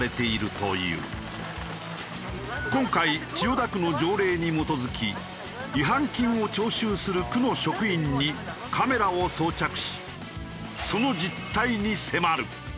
今回千代田区の条例に基づき違反金を徴収する区の職員にカメラを装着しその実態に迫る。